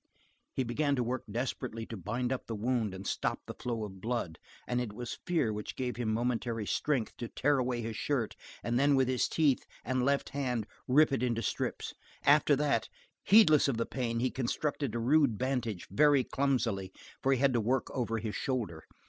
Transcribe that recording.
He began to work desperately to bind up the wound and stop the flow of blood and it was fear which gave him momentary strength to tear away his shirt and then with his teeth and left hand rip it into strips. After that, heedless of the pain, he constructed a rude bandage, very clumsily, for he had to work over his shoulder.